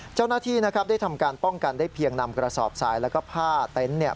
เจ้าหน้าที่ได้ทำการป้องกันได้เพียงนำกระสอบสายและผ้าเต็นต์